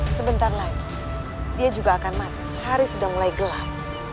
sebentar lagi dia juga akan mati hari sudah mulai gelap